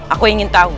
aku ingin tahu